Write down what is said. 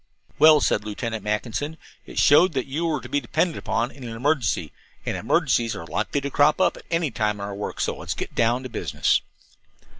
"Well," said Lieutenant Mackinson, "it showed that you were to be depended upon in an emergency, and emergencies are likely to crop up at any time in our work, so let's get down to business."